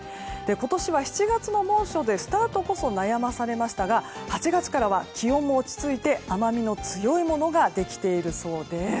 今年は７月の猛暑でスタートこそ悩まされましたが８月からは気温も落ち着いて甘みの強いものができているそうです。